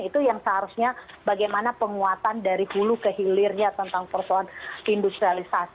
itu yang seharusnya bagaimana penguatan dari hulu ke hilirnya tentang persoalan industrialisasi